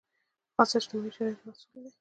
خاصو اجتماعي شرایطو محصول دی.